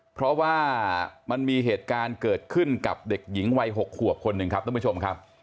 เพราะว่ามันมีเหตุการณ์เกิดขึ้นกับเด็กหญิงวัย๖ขวบคนหนึ่งครับท่านผู้ชมครับ